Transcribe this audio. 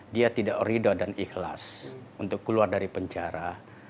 dia tidak ridho dan ikhlas untuk keluar dari penjara